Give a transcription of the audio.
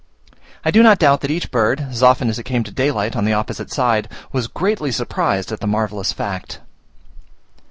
I do not doubt that each bird, as often as it came to daylight on the opposite side, was greatly surprised at the marvellous fact.